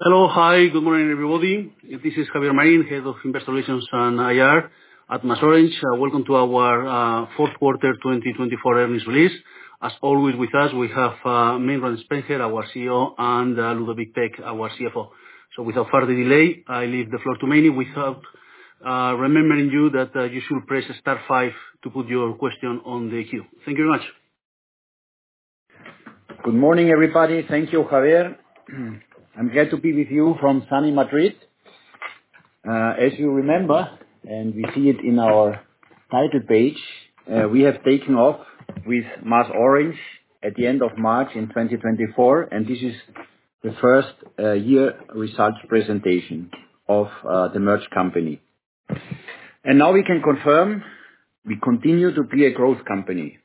Hello, hi, good morning everybody. This is Javier Marín, Head of Investor Relations and IR at MasOrange. Welcome to our fourth quarter 2024 earnings release. As always with us, we have Meinrad Spenger, our CEO, and Ludovic Pech, our CFO. Without further delay, I leave the floor to Meini, without reminding you that you should press star five to put your question on the queue. Thank you very much. Good morning everybody. Thank you, Javier. I'm glad to be with you from Sant Cugat del Vallès and Madrid. As you remember, and we see it in our title page, we have taken off with MasOrange at the end of March in 2024, and this is the first year results presentation of the merged company. Now we can confirm we continue to be a growth company.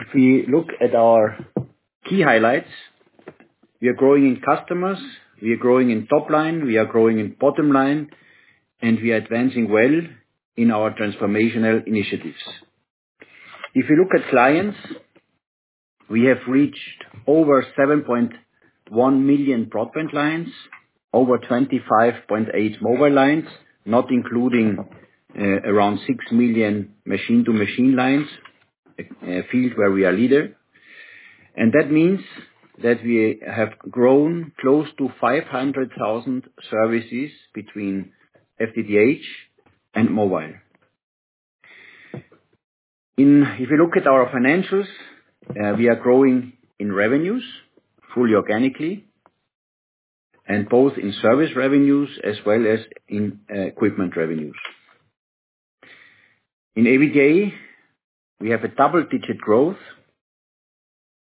If we look at our key highlights, we are growing in customers, we are growing in top line, we are growing in bottom line, and we are advancing well in our transformational initiatives. If you look at clients, we have reached over 7.1 million broadband lines, over 25.8 million mobile lines, not including around 6 million machine-to-machine lines, a field where we are a leader. That means that we have grown close to 500,000 services between FTTH and mobile. If you look at our financials, we are growing in revenues fully organically, and both in service revenues as well as in equipment revenues. In every day, we have a double-digit growth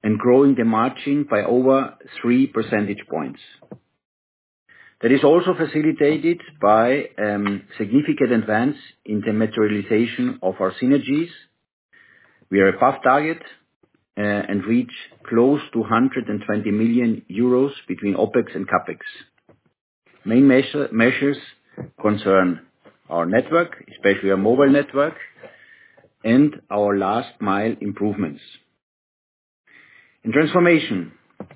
and growing the margin by over three percentage points. That is also facilitated by significant advance in the materialization of our synergies. We are above target and reach close to 120 million euros between OpEx and CapEx. Main measures concern our network, especially our mobile network, and our last mile improvements. In transformation,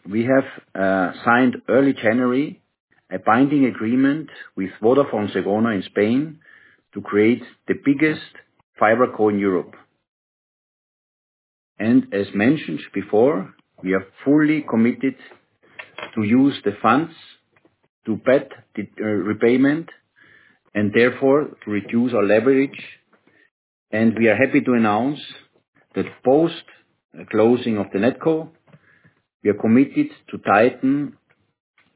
we have signed early January a binding agreement with Vodafone España in Spain to create the biggest FiberCo in Europe. As mentioned before, we are fully committed to use the funds to better repayment and therefore to reduce our leverage. We are happy to announce that post-closing of the NetCo, we are committed to tighten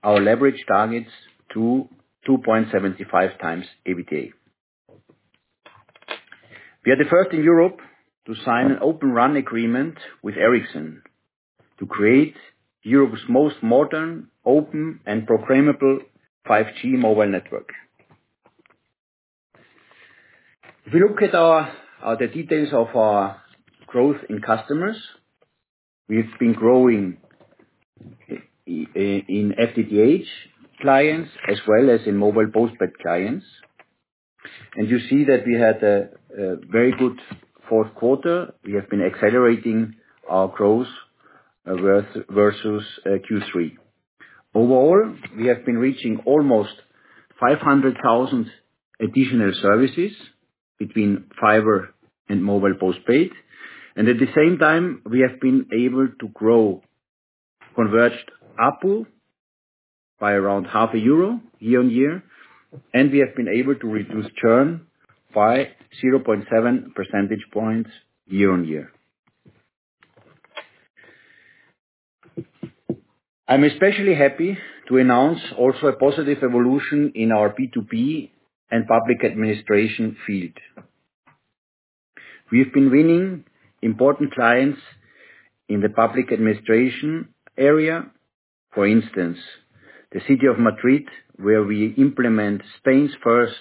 our leverage targets to 2.75x EBITDA. We are the first in Europe to sign an Open RAN agreement with Ericsson to create Europe's most modern, open, and programmable 5G mobile network. If we look at the details of our growth in customers, we've been growing in FTTH clients as well as in mobile postpaid clients. You see that we had a very good fourth quarter. We have been accelerating our growth versus Q3. Overall, we have been reaching almost 500,000 additional services between fiber and mobile postpaid. At the same time, we have been able to grow converged ARPU by around EUR 0.5 year on year. We have been able to reduce churn by 0.7 percentage points year on year. I'm especially happy to announce also a positive evolution in our B2B and public administration field. We've been winning important clients in the public administration area, for instance, the city of Madrid, where we implement Spain's first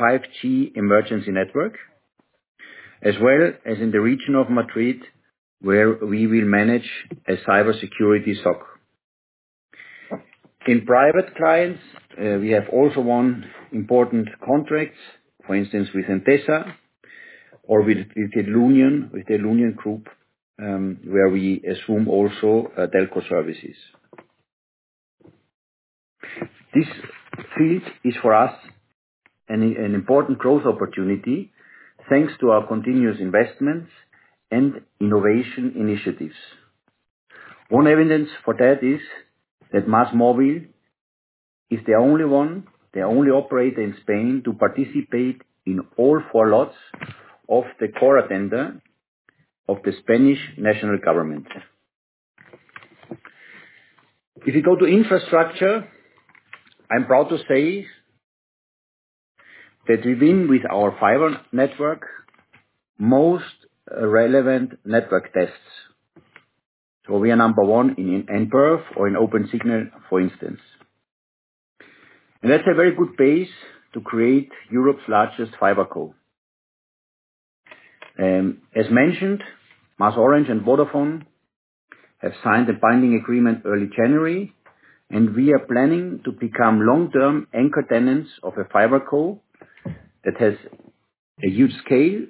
5G emergency network, as well as in the region of Madrid, where we will manage a cybersecurity SOC. In private clients, we have also won important contracts, for instance, with Endesa or with the Lidl Group, where we assume also telco services. This field is for us an important growth opportunity thanks to our continuous investments and innovation initiatives. One evidence for that is that MasOrange is the only one, the only operator in Spain to participate in all four lots of the core agenda of the Spanish national government. If you go to infrastructure, I'm proud to say that we win with our fiber network most relevant network tests. We are number one in nPerf or in OpenSignal, for instance. That is a very good base to create Europe's largest fiber core. As mentioned, MasOrange and Vodafone have signed a binding agreement early January, and we are planning to become long-term anchor tenants of a fiber core that has a huge scale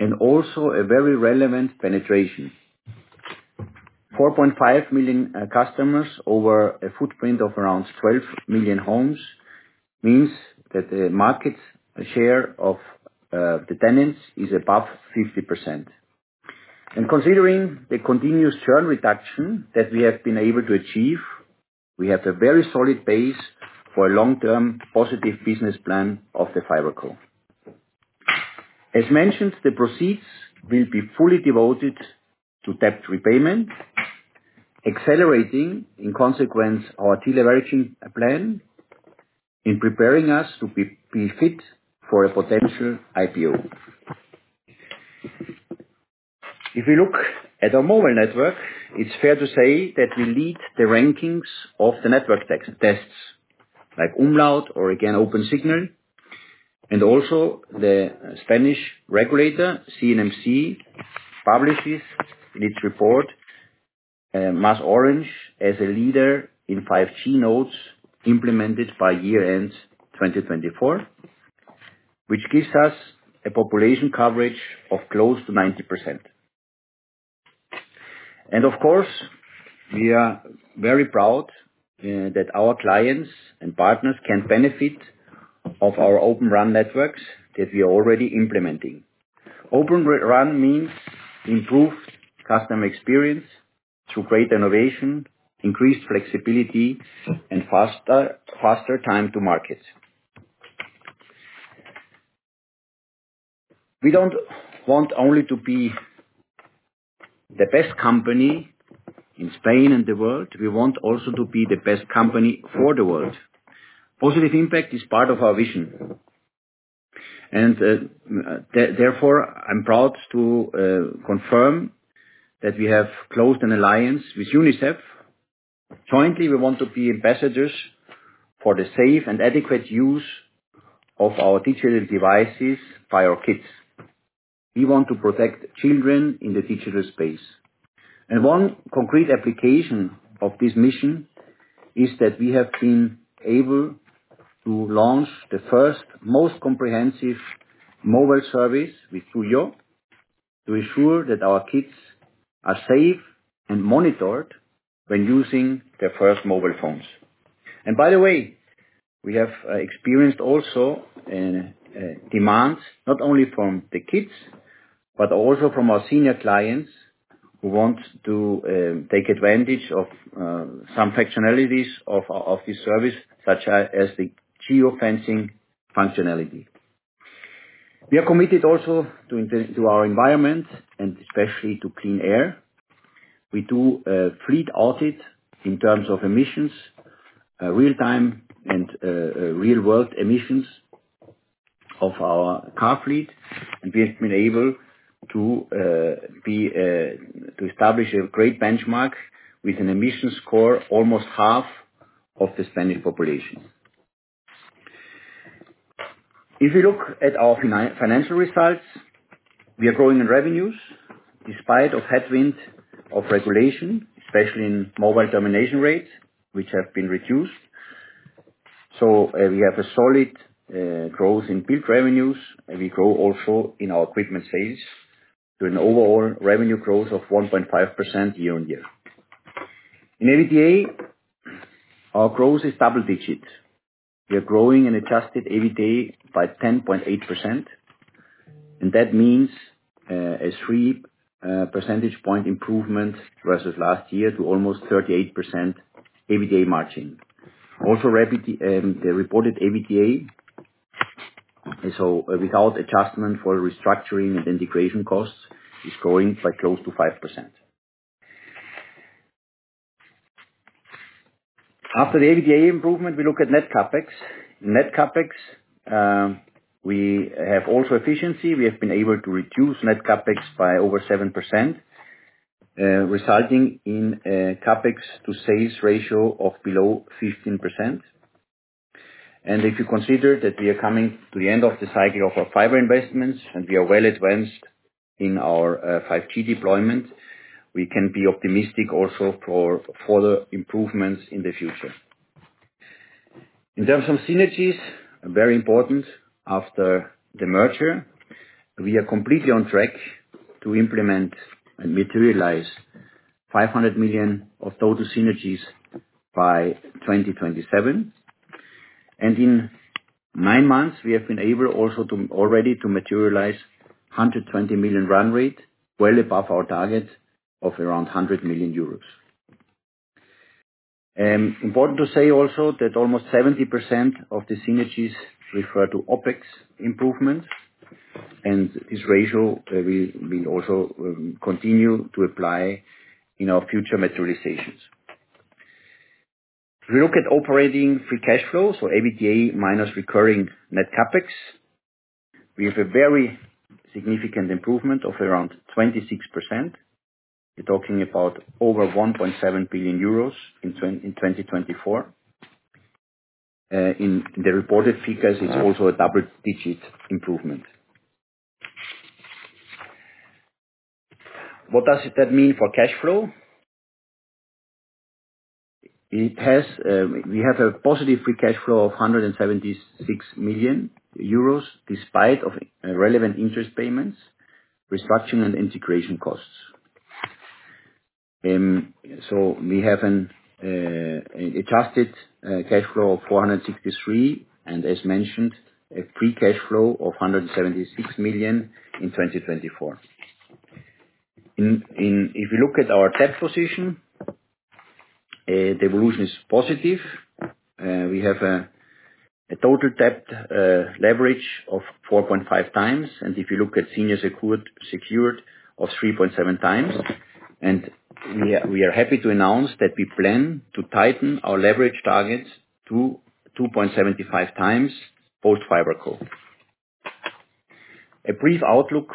and also a very relevant penetration. 4.5 million customers over a footprint of around 12 million homes means that the market share of the tenants is above 50%. Considering the continuous churn reduction that we have been able to achieve, we have a very solid base for a long-term positive business plan of the fiber core. As mentioned, the proceeds will be fully devoted to debt repayment, accelerating in consequence our deleveraging plan and preparing us to be fit for a potential IPO. If we look at our mobile network, it's fair to say that we lead the rankings of the network tests like Umlaut or, again, OpenSignal. Also, the Spanish regulator, CNMC, publishes in its report MasOrange as a leader in 5G nodes implemented by year-end 2024, which gives us a population coverage of close to 90%. Of course, we are very proud that our clients and partners can benefit from our Open RAN networks that we are already implementing. Open RAN means improved customer experience, great innovation, increased flexibility, and faster time to market. We do not want only to be the best company in Spain and the world. We want also to be the best company for the world. Positive impact is part of our vision. Therefore, I'm proud to confirm that we have closed an alliance with UNICEF. Jointly, we want to be ambassadors for the safe and adequate use of our digital devices by our kids. We want to protect children in the digital space. One concrete application of this mission is that we have been able to launch the first most comprehensive mobile service with Tuyo to ensure that our kids are safe and monitored when using their first mobile phones. By the way, we have experienced also demands not only from the kids, but also from our senior clients who want to take advantage of some functionalities of this service, such as the geofencing functionality. We are committed also to our environment and especially to clean air. We do a fleet audit in terms of emissions, real-time and real-world emissions of our car fleet. We have been able to establish a great benchmark with an emissions score almost half of the Spanish population. If you look at our financial results, we are growing in revenues despite the headwind of regulation, especially in mobile termination rates, which have been reduced. We have a solid growth in built revenues. We grow also in our equipment sales to an overall revenue growth of 1.5% year on year. In every day, our growth is double-digit. We are growing an adjusted EBITDA by 10.8%. That means a three percentage point improvement versus last year to almost 38% EBITDA margin. Also, the reported EBITDA, so without adjustment for restructuring and integration costs, is growing by close to 5%. After the EBITDA improvement, we look at net CapEx. In net CapEx, we have also efficiency. We have been able to reduce net CapEx by over 7%, resulting in a CapEx to sales ratio of below 15%. If you consider that we are coming to the end of the cycle of our fiber investments and we are well advanced in our 5G deployment, we can be optimistic also for further improvements in the future. In terms of synergies, very important after the merger, we are completely on track to implement and materialize 500 million of total synergies by 2027. In nine months, we have been able also already to materialize 120 million run rate, well above our target of around 100 million euros. Important to say also that almost 70% of the synergies refer to OpEx improvements. This ratio will also continue to apply in our future materializations. If you look at operating free cash flow, so EBITDA minus recurring net CapEx, we have a very significant improvement of around 26%. We're talking about over 1.7 billion euros in 2024. In the reported figures, it's also a double-digit improvement. What does that mean for cash flow? We have a positive free cash flow of 176 million euros despite relevant interest payments, restructuring, and integration costs. We have an adjusted cash flow of 463 million and, as mentioned, a free cash flow of 176 million in 2024. If you look at our debt position, the evolution is positive. We have a total debt leverage of 4.5x. If you look at senior secured of 3.7x. We are happy to announce that we plan to tighten our leverage targets to 2.75x post-fiber co. A brief outlook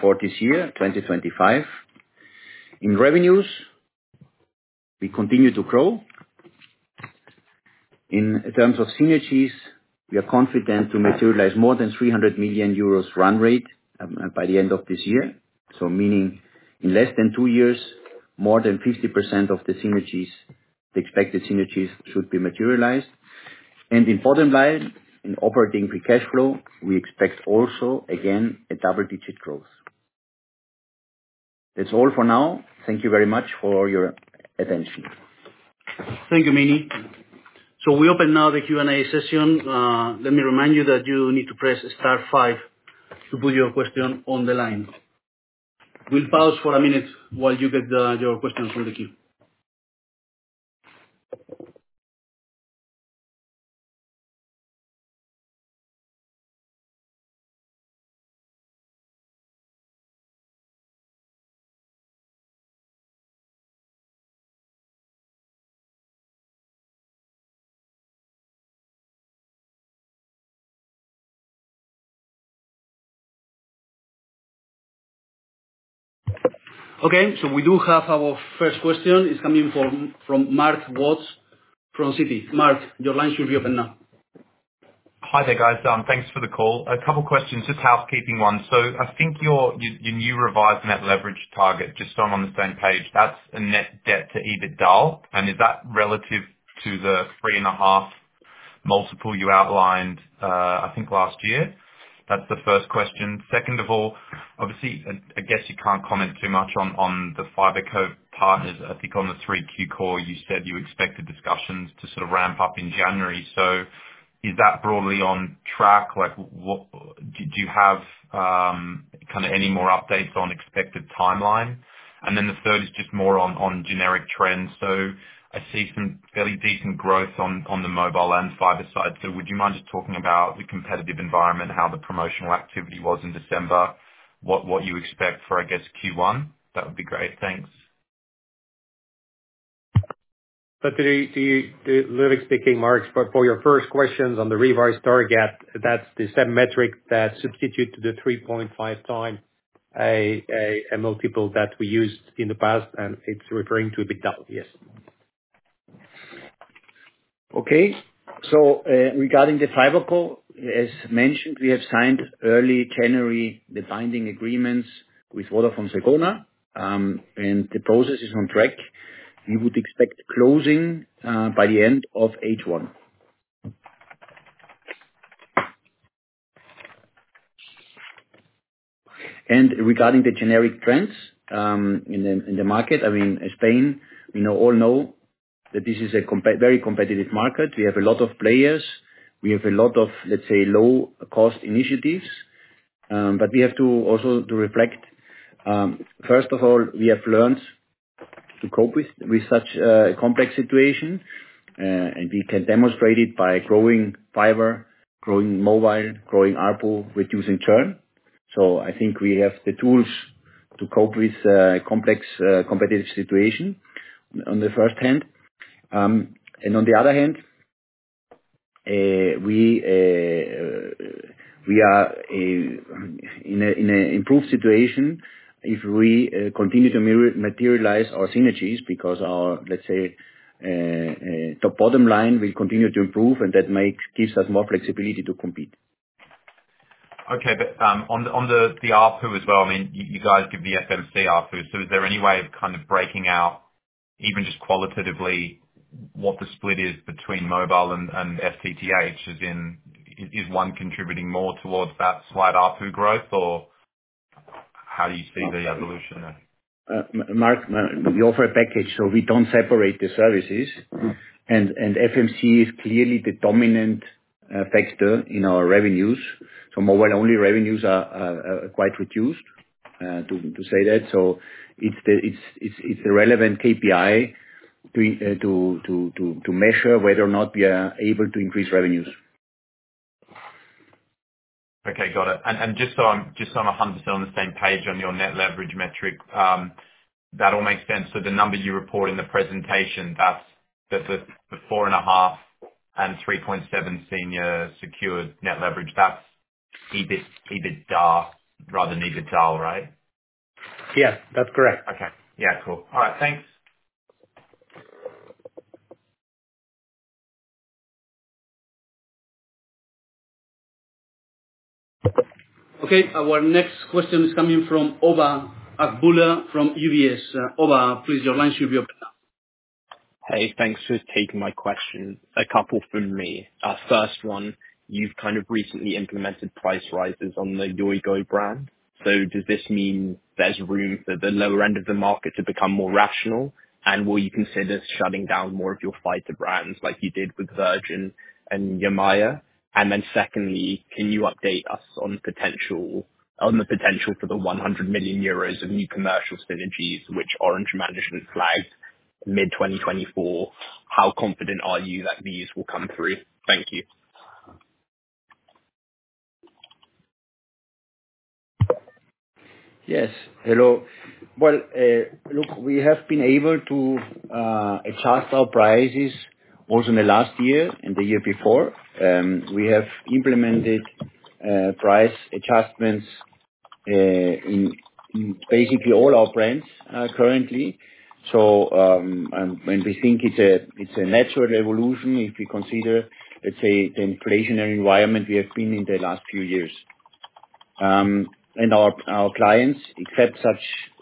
for this year, 2025. In revenues, we continue to grow. In terms of synergies, we are confident to materialize more than 300 million euros run rate by the end of this year. Meaning in less than two years, more than 50% of the synergies, the expected synergies should be materialized. In bottom line, in operating free cash flow, we expect also, again, a double-digit growth. That is all for now. Thank you very much for your attention. Thank you, Meini. We open now the Q&A session. Let me remind you that you need to press star five to put your question on the line. We will pause for a minute while you get your question from the queue. Okay. We do have our first question. It is coming from Mark Watts from Citi. Mark, your line should be open now. Hi there, guys. Thanks for the call. A couple of questions, just housekeeping ones. I think your new revised net leverage target, just so I'm on the same page, that's a net debt to EBITDA. Is that relative to the three and a half multiple you outlined, I think, last year? That's the first question. Second of all, obviously, I guess you can't comment too much on the fiber co partners. I think on the 3Q call, you said you expected discussions to sort of ramp up in January. Is that broadly on track? Do you have kind of any more updates on expected timeline? The third is just more on generic trends. I see some fairly decent growth on the mobile and fiber side. Would you mind just talking about the competitive environment, how the promotional activity was in December, what you expect for, I guess, Q1? That would be great. Thanks. To the living speaking, Mark, for your first questions on the revised target, that's the same metric that substitutes the 3.5x a multiple that we used in the past. It's referring to EBITDA, yes. Regarding the fiber co, as mentioned, we have signed early January the binding agreements with Vodafone España. The process is on track. We would expect closing by the end of H1. Regarding the generic trends in the market, I mean, Spain, we all know that this is a very competitive market. We have a lot of players. We have a lot of, let's say, low-cost initiatives. We have to also reflect. First of all, we have learned to cope with such a complex situation. We can demonstrate it by growing fiber, growing mobile, growing ARPU, reducing churn. I think we have the tools to cope with a complex competitive situation on the first hand. On the other hand, we are in an improved situation if we continue to materialize our synergies because our, let's say, top bottom line will continue to improve. That gives us more flexibility to compete. Okay. On the ARPU as well, I mean, you guys give the FMC ARPU. Is there any way of kind of breaking out, even just qualitatively, what the split is between mobile and FTTH? Is one contributing more towards that slight ARPU growth? How do you see the evolution there? Mark, we offer a package. We do not separate the services. FMC is clearly the dominant factor in our revenues. Mobile-only revenues are quite reduced, to say that. It is the relevant KPI to measure whether or not we are able to increase revenues. Okay. Got it. Just so I'm 100% on the same page on your net leverage metric, that all makes sense. The number you report in the presentation, that's the 4.5 and 3.7 senior secured net leverage. That's EBITDA rather than EBITDA, right? Yeah. That's correct. Okay. Yeah. Cool. All right. Thanks. Okay. Our next question is coming from Oba Agboola from UBS. Oba, please, your line should be open now. Hey, thanks for taking my question. A couple for me. First one, you've kind of recently implemented price rises on the Yoigo brand. Does this mean there's room for the lower end of the market to become more rational? Will you consider shutting down more of your fighter brands like you did with Virgin and Llamaya? Secondly, can you update us on the potential for the 100 million euros of new commercial synergies, which Orange Management flagged mid-2024? How confident are you that these will come through? Thank you. Yes. Hello. Look, we have been able to adjust our prices also in the last year and the year before. We have implemented price adjustments in basically all our brands currently. We think it is a natural evolution if we consider, let's say, the inflationary environment we have been in the last few years. Our clients accept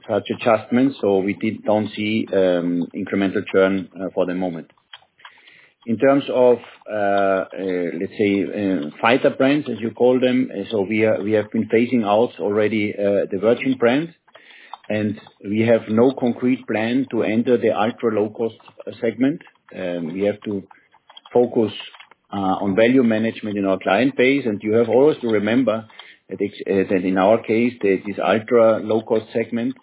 such adjustments. We do not see incremental churn for the moment. In terms of, let's say, fighter brands, as you call them, we have been phasing out already the Virgin brand. We have no concrete plan to enter the ultra low-cost segment. We have to focus on value management in our client base. You have always to remember that in our case, this ultra low-cost segment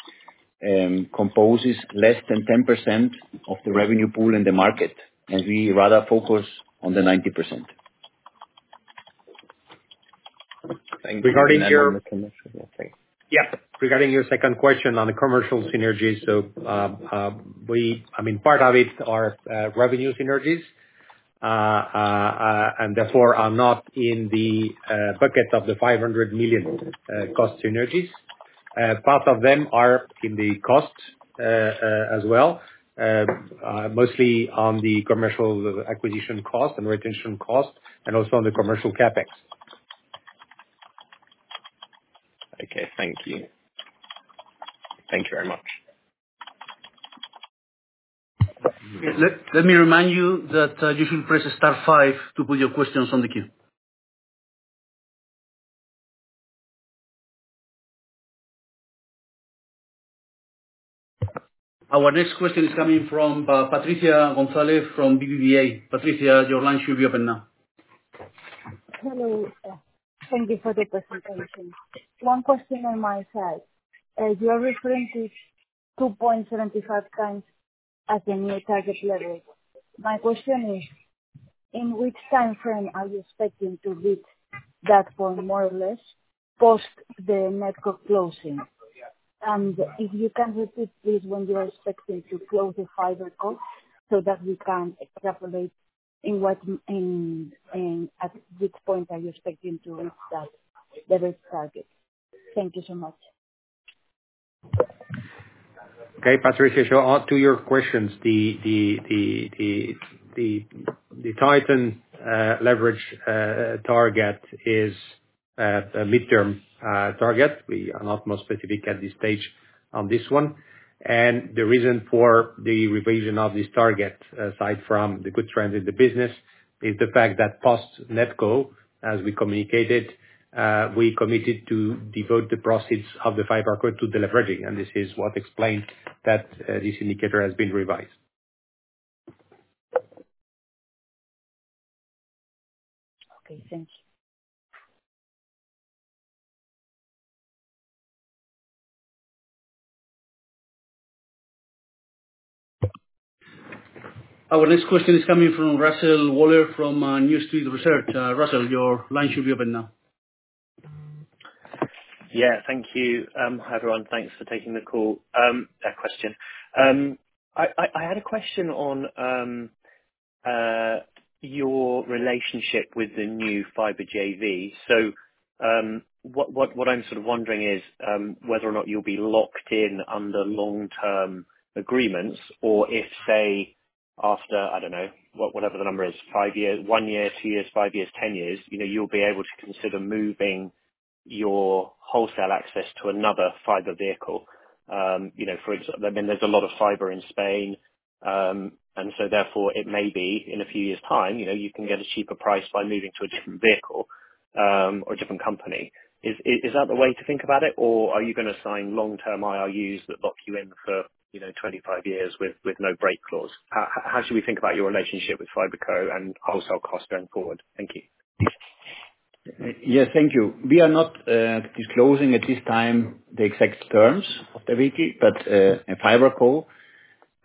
composes less than 10% of the revenue pool in the market. We rather focus on the 90%. Regarding your second question on the commercial synergies, part of it are revenue synergies. Therefore, are not in the bucket of the 500 million cost synergies. Part of them are in the cost as well, mostly on the commercial acquisition cost and retention cost, and also on the commercial CapEx. Okay. Thank you. Thank you very much. Let me remind you that you should press star five to put your questions on the queue. Our next question is coming from Patricia González from BBVA. Patricia, your line should be open now. Hello. Thank you for the presentation. One question on my side. You are referring to 2.75x as a new target level. My question is, in which timeframe are you expecting to reach that point, more or less, post the net code closing? If you can repeat this, when you are expecting to close the fiber code so that we can extrapolate at which point you are expecting to reach that level target. Thank you so much. Okay. Patricia, as to your questions, the titan leverage target is a midterm target. We are not more specific at this stage on this one. The reason for the revision of this target, aside from the good trends in the business, is the fact that post-net core, as we communicated, we committed to devote the proceeds of the fiber code to the leveraging. This is what explained that this indicator has been revised. Thank you. Our next question is coming from Russell Waller from New Street Research. Russell, your line should be open now. Yeah. Thank you, everyone. Thanks for taking the call. Question. I had a question on your relationship with the new fiber JV. What I'm sort of wondering is whether or not you'll be locked in under long-term agreements. If, say, after, I don't know, whatever the number is, one year, two years, five years, ten years, you'll be able to consider moving your wholesale access to another fiber vehicle. For instance, I mean, there's a lot of fiber in Spain. Therefore, it may be in a few years' time, you can get a cheaper price by moving to a different vehicle or a different company. Is that the way to think about it? Are you going to sign long-term IRUs that lock you in for 25 years with no break clause? How should we think about your relationship with fiber co and wholesale cost going forward? Thank you. Yes. Thank you. We are not disclosing at this time the exact terms of the vehicle. But a fiber co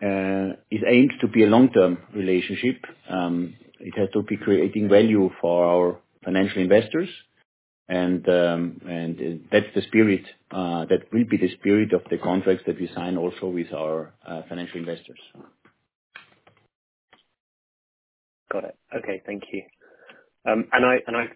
is aimed to be a long-term relationship. It has to be creating value for our financial investors. That is the spirit that will be the spirit of the contracts that we sign also with our financial investors. Got it. Okay. Thank you.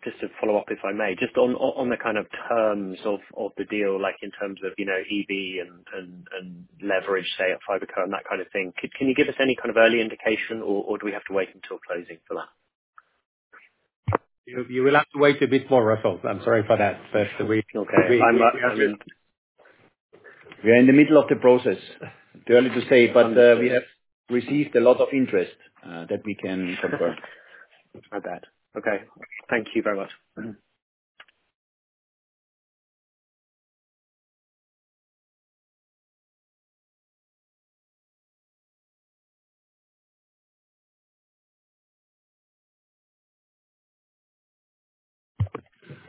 Just to follow up, if I may, just on the kind of terms of the deal, in terms of EV and leverage, say, fiber co and that kind of thing, can you give us any kind of early indication? Do we have to wait until closing for that? You will have to wait a bit more, Russell. I'm sorry for that. But we are in the middle of the process, too early to say. But we have received a lot of interest that we can confirm. I bet. Okay. Thank you very much.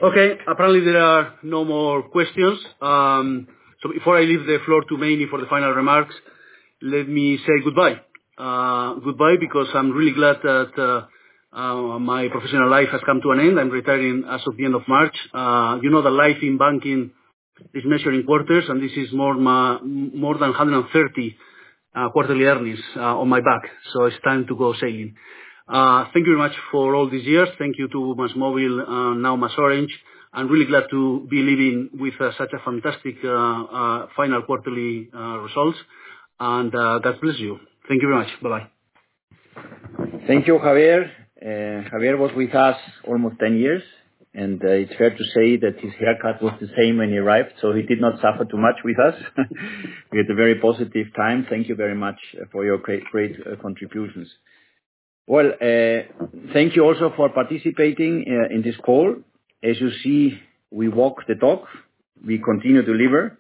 Okay. Apparently, there are no more questions. Before I leave the floor to Meini for the final remarks, let me say goodbye. Goodbye because I'm really glad that my professional life has come to an end. I'm retiring as of the end of March. You know that life in banking is measured in quarters. And this is more than 130 quarterly earnings on my back. It is time to go sailing. Thank you very much for all these years. Thank you to Masmobile and now MasOrange. I'm really glad to be leaving with such a fantastic final quarterly results. And God bless you. Thank you very much. Bye-bye. Thank you, Javier. Javier was with us almost 10 years. It is fair to say that his haircut was the same when he arrived. He did not suffer too much with us. We had a very positive time. Thank you very much for your great contributions. Thank you also for participating in this call. As you see, we walk the talk. We continue to deliver.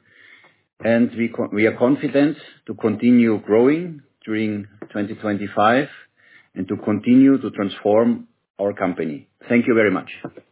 We are confident to continue growing during 2025 and to continue to transform our company. Thank you very much.